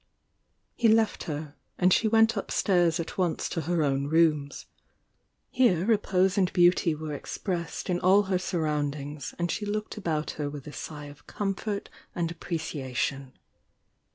He left her, and she went upstairs at once to her own rooms. Here repose and beauty were expressed m all her surroundings ant] she looked about her with a sigh of comfort and appreciation.